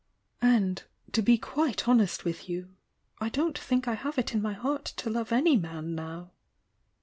And, — to be quite honest with you — I don't think I have it in my heart to love any man now!"